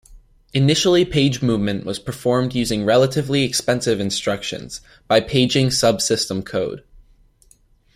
Initially page movement was performed using relatively expensive instructions, by paging subsystem code.